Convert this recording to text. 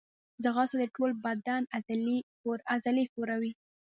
ځغاسته د ټول بدن عضلې ښوروي